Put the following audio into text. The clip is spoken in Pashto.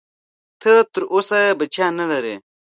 ته تر اوسه بچیان نه لرې؟